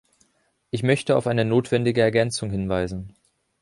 Ich möchte auf eine notwendige Ergänzung hinweisen.